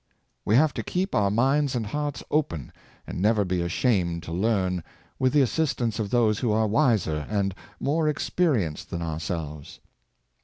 We have to keep our minds and hearts open, and never be ashamed to learn, with the assistance of those who are wiser and more experienced than ourselves.